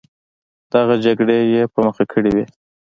دغه جګړې یې په مخه کړې وې.